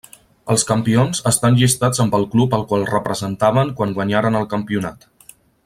Els campions estan llistats amb el club al qual representaven quan guanyaren el campionat.